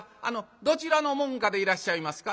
どちらの門下でいらっしゃいますか？」。